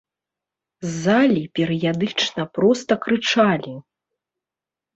З залі перыядычна проста крычалі.